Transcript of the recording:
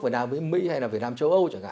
việt nam với mỹ hay là việt nam châu âu